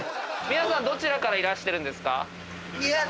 皆さんどちらからいらしてるんですか？